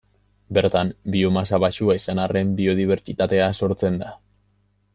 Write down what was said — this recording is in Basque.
Bertan biomasa baxua izan arren biodibertsitatea sortzen da.